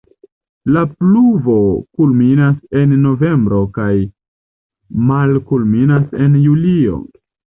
La pluvo kulminas en novembro kaj malkulminas en julio.